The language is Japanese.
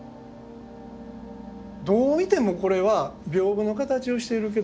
どう見てもこれは屏風の形をしているけど西洋絵画ですよね。